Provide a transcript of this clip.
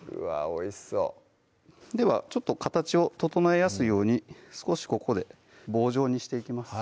おいしそうでは形を整えやすいように少しここで棒状にしていきます